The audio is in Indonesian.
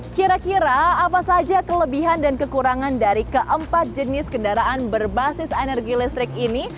kira kira apa saja kelebihan dan kekurangan dari keempat jenis kendaraan berbasis energi listrik ini